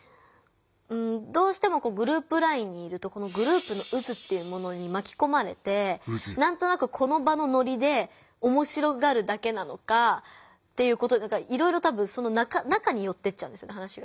どうしてもグループＬＩＮＥにいるとグループの渦っていうものにまきこまれてなんとなくこの場のノリでおもしろがるだけなのかいろいろ多分その中によってっちゃうんです話が。